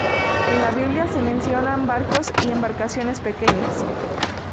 En la Biblia se mencionan barcos y embarcaciones pequeñas.